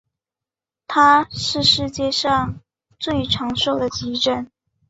它是世界上最长寿的急诊。